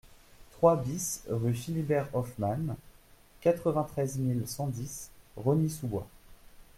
trois BIS rue Philibert Hoffmann, quatre-vingt-treize mille cent dix Rosny-sous-Bois